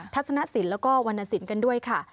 ทักษณะศิลป์แล้วก็วรรณสินกันด้วยค่ะ